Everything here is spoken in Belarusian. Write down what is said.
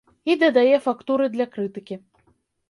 І дадае фактуры для крытыкі.